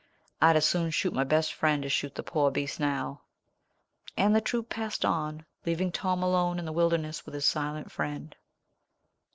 I'd as soon shoot my best friend as shoot the poor beast now." And the troop passed on, leaving Tom alone in the wilderness with his silent friend.